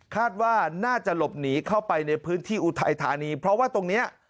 คาดว่าน่าจะหลบหนีเข้าไปในพื้นที่อุทัยธานีเพราะว่าตรงนี้